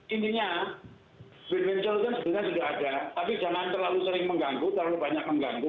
intinya win winsol kan sebenarnya sudah ada tapi jangan terlalu sering mengganggu terlalu banyak mengganggu